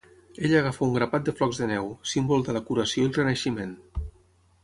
Ella agafa un grapat de flocs de neu, símbol de la curació i el renaixement.